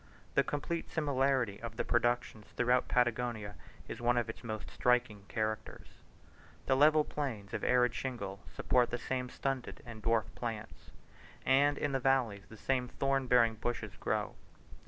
The complete similarity of the productions throughout Patagonia is one of its most striking characters. The level plains of arid shingle support the same stunted and dwarf plants; and in the valleys the same thorn bearing bushes grow.